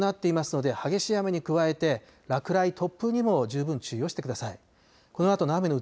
雷も伴っていますので激しい雨に加えて落雷、突風にも十分注意をしてください。